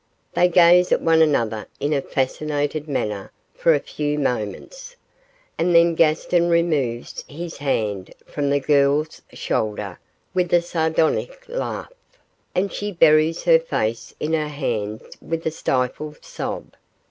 They gaze at one another in a fascinated manner for a few moments, and then Gaston removes his hand from the girl's shoulder with a sardonic laugh, and she buries her face in her hands with a stifled sob.